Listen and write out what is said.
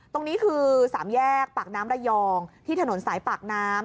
ตรงนี้คือสามแยกปากน้ำระยองที่ถนนสายปากน้ำ